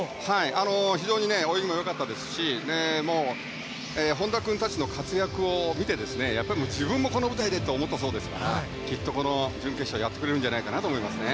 非常に泳ぎも良かったですし本多君たちの活躍を見てやっぱり自分も、この舞台で！と思ったそうですからきっと準決勝やってくれると思います。